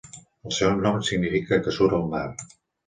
El seu nom significa 'que sura al mar'.